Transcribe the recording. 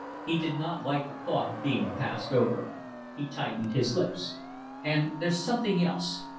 He did not like the thought of being passed over. He tightened his lips. "And there's something else.